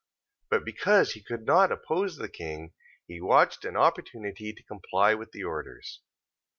14:29. But because he could not oppose the king, he watched an opportunity to comply with the orders.